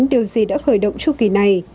điều gì đã khởi động tru kỳ này